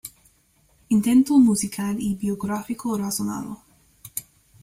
Intento musical y biográfico razonado.